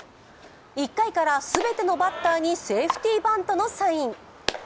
１回からすべてのバッターにセーフティーバントのサイン。